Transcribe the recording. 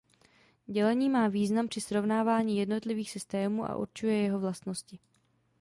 Dělení má význam při srovnávání jednotlivých systémů a určuje jeho vlastnosti.